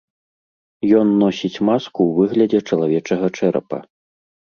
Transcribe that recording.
Ён носіць маску ў выглядзе чалавечага чэрапа.